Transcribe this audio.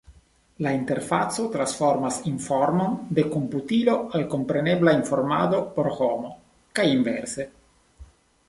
La interfaco transformas informon de komputilo al komprenebla informado por homo, kaj inverse.